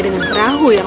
dengan perahu yang